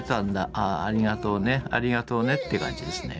ああありがとうねありがとうね」って感じですね。